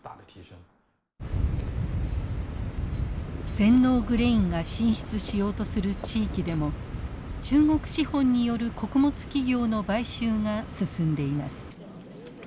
全農グレインが進出しようとする地域でも中国資本による穀物企業の買収が進んでいます。